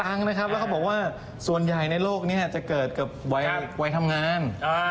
นะครับแล้วเขาบอกว่าส่วนใหญ่ในโลกนี้จะเกิดกับวัยทำงาน